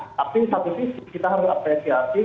nah tapi satu tips kita harus apresiasi